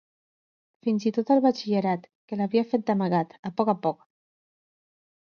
Fins i tot el batxillerat, que l’havia fet d’amagat, a poc a poc.